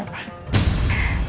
dia nggak tahu kita